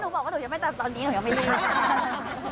อ๋อหนูบอกว่าหนูยังไม่จำตอนนี้หนูยังไม่รู้